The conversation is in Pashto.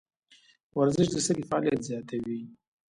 ورزش د سږي فعالیت زیاتوي.